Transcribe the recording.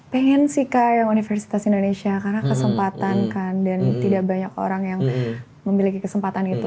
pengen sih kayak universitas indonesia karena kesempatan kan dan tidak banyak orang yang memiliki kesempatan itu